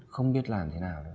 không biết làm thế nào nữa